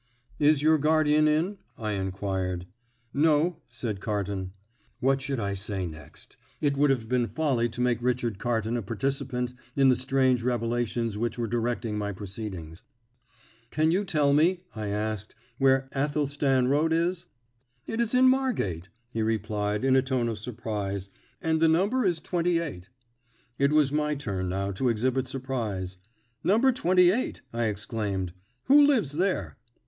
"Is your guardian in?" I inquired. "No," said Carton. What should I say next? It would have been folly to make Richard Carton a participant in the strange revelations which were directing my proceedings. "Can you tell me," I asked, "where Athelstan Road is?" "It is in Margate," he replied, in a tone of surprise, "and the number is 28." It was my turn now to exhibit surprise. "No. 28!" I exclaimed. "Who lives there?"